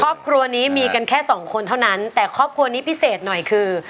ครอบครัวนี้มีกันแค่สองคนเท่านั้นแต่ครอบครัวนี้พิเศษหน่อยคือ